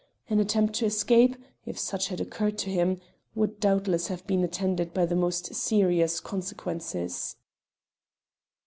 An attempt to escape if such had occurred to him would doubtless have been attended by the most serious consequences.